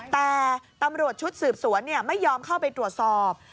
แต่ตำรวจชุดสืบสวนไม่ยอมเข้าไปตรวจสอบ